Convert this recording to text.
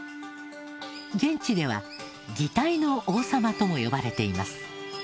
現地では「擬態の王様」とも呼ばれています。